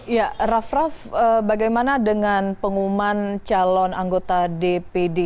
ya raff raff bagaimana dengan pengumuman calon anggota dpd